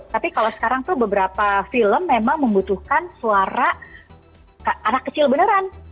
tapi kalau sekarang tuh beberapa film memang membutuhkan suara anak kecil beneran